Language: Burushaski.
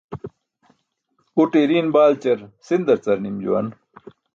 Ute iriin baalćar sinda car nim juwan.